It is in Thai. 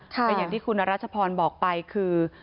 แต่อย่างที่คุณรัชพรบอกไปคือ